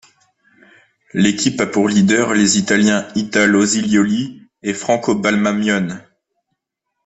L'équipe a pour leader les Italiens Italo Zilioli et Franco Balmamion.